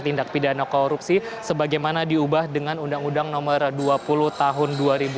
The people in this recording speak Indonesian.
tindak pidana korupsi sebagaimana diubah dengan undang undang nomor dua puluh tahun dua ribu dua